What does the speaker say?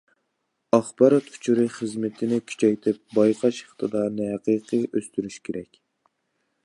ئاخبارات ئۇچۇرى خىزمىتىنى كۈچەيتىپ، بايقاش ئىقتىدارىنى ھەقىقىي ئۆستۈرۈش كېرەك.